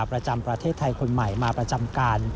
ประจำประเทศไทยคนใหม่มาประจำการ